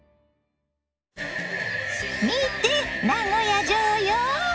見て名古屋城よ！